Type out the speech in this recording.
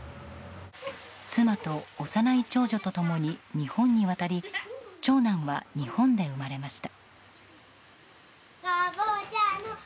妻と幼い長女と共に日本に渡り長男は日本で生まれました。